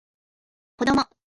子供